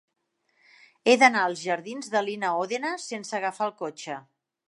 He d'anar als jardins de Lina Ódena sense agafar el cotxe.